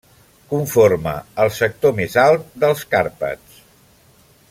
Conforma el sector més alt dels Carpats.